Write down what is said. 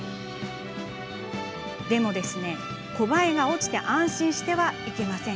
でも、コバエが落ちたところで安心してはいけません。